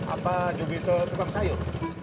apa juminten tukang sayur